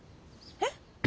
え？